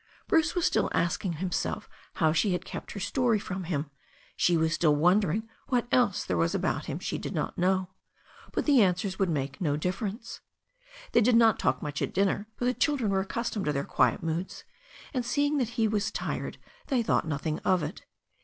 Bruce was still asking himself how she had kept her story from him. She was still wondering what else there was about him she did not know. But the an swers would have made no difference. They did not talk much at dinner, but the children were accustomed to their quiet moods, and seeing that he was 352 THE STORY OF A NEW ZEALAND RIVER tired they thought nothing of it.